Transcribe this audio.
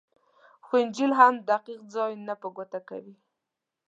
خو انجیل یې هم دقیق ځای نه په ګوته کوي.